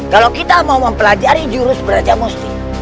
kalau kita mau mempelajari jurus berajamusti